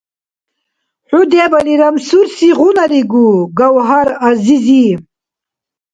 ХӀу дебали рамсурсигъунаригу, Гавгьар-зизи?